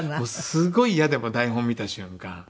すごいイヤで台本見た瞬間。